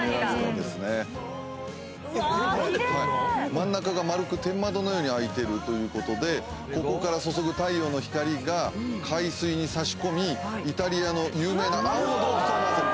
真ん中が丸く天窓のように空いてるということでここから注ぐ太陽の光が海水に差し込みイタリアの有名な青の洞窟を思わせる。